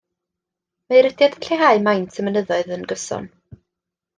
Mae erydiad yn lleihau maint y mynydd yn gyson.